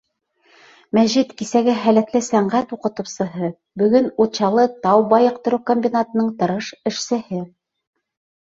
Мәжит — кисәге һәләтле сәнғәт уҡытыусыһы, бөгөн — Учалы тау-байыҡтырыу комбинатының тырыш эшсеһе.